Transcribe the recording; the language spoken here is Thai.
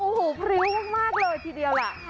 โอ้โหพริ้วมากเลยทีเดียวล่ะ